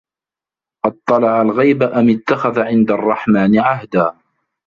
أطلع الغيب أم اتخذ عند الرحمن عهدا